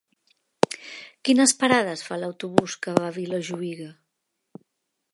Quines parades fa l'autobús que va a Vilajuïga?